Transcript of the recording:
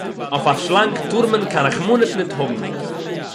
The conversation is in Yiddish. אויף אַ שלאַנג טאָר מען קיין רחמנות ניט האָבן.